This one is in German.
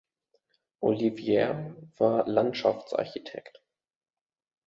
Olivier war Landschaftsarchitekt.